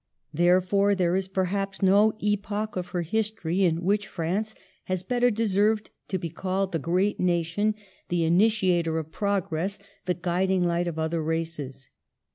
''Therefore, there is perhaps no epoch of her his tory in which France has better deserved to be called the great nation, the initiator of progress, the guiding light of other races.